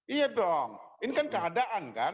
iya dong ini kan keadaan kan